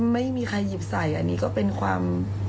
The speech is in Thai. ไม่มีใครหยิบใส่อันนี้ก็เป็นความ